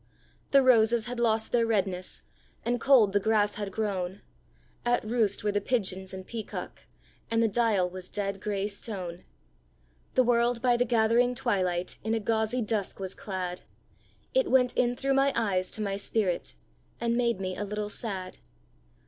The roses had lost their redness, And cold the grass had grown; At roost were the pigeons and peacock, And the dial was dead gray stone. The world by the gathering twilight In a gauzy dusk was clad; It went in through my eyes to my spirit, And made me a little sad.